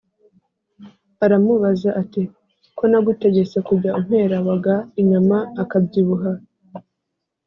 aramubaza, ati: ko nagutegetse kujya umpera waga inyama akabyibuha,